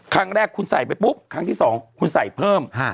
ครั้งแรกคุณใส่ไปปุ๊บครั้งที่๒คุณใส่เพิ่ม